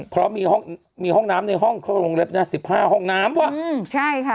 เพราะมีห้องน้ำในห้องโรงเรียนรัฐนาศิภาพห้องน้ำวะ